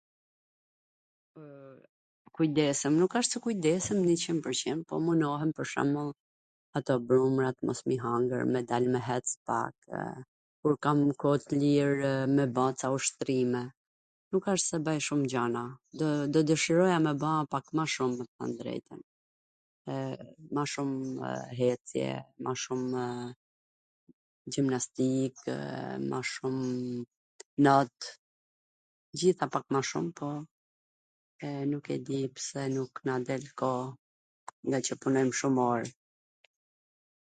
Kujdesem, nuk asht se kujdesem njw qind pwr qind, po munohem pwr shwmbwll ato brumrat mos m i hangwr, me dal me ec pakw, kur kam koh t lirw me ba ca ushtrime, nuk asht se bwj shum gjana, po do dwshiroja me ba pak ma shum, me thwn t drejtwn. Ma shum ecje, ma shum gjimnastik, ma shum not, t gjitha pak ma shum, po nuk e di pse nuk na del koha, ngaqw punojm shum or,